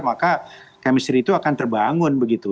maka chemistry itu akan terbangun begitu